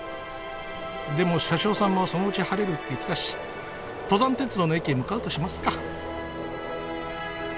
でも車掌さんもそのうち晴れるって言ってたし登山鉄道の駅へ向かうとしますか。